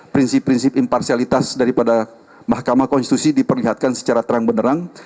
prinsip prinsip imparsialitas daripada mahkamah konstitusi diperlihatkan secara terang benerang